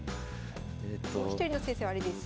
もう一人の先生はあれです。